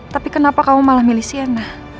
tapi kenapa kamu malah milih siana